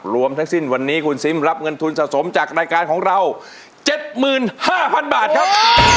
รวมทั้งสิ้นวันนี้คุณซิมรับเงินทุนสะสมจากรายการของเราเจ็ดหมื่นห้าพันบาทครับ